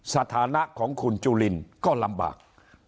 สถานะของคุณจุลินก็ลำบาก